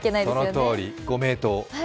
そのとおり、ご名答。